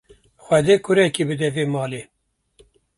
Xwedê kurikê bide vê malê.